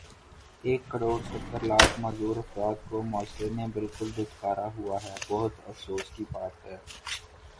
ایک کڑوڑ ستر لاکھ معذور افراد کو معاشرے نے بلکل دھتکارا ہوا ہے بہت افسوس کی بات ہے